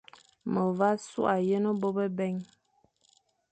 Me vagha sughé yen bô bebè.